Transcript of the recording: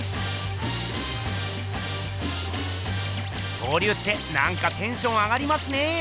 恐竜ってなんかテンション上がりますね。